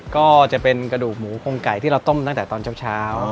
ก็จะเป็นกระดูกหมูคงไก่ที่เราต้มตั้งแต่ตอนเช้า